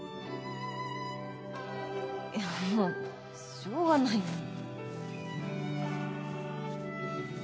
いやもうしょうがないなあ。